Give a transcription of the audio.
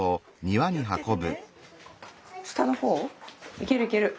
いけるいける。